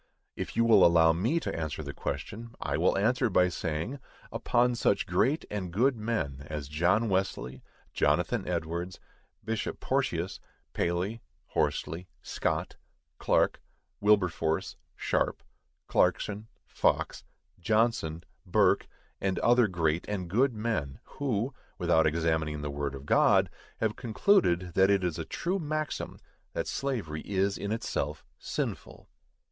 If you will allow me to answer the question, I will answer by saying, Upon such great and good men as John Wesley, Jonathan Edwards, Bishop Porteus, Paley, Horsley, Scott, Clark, Wilberforce, Sharpe, Clarkson, Fox, Johnson, Burke, and other great and good men, who, without examining the word of God, have concluded that it is a true maxim that slavery is in itself sinful.